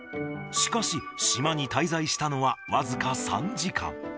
しかし、島に滞在したのは僅か３時間。